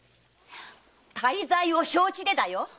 大罪を承知でだよ！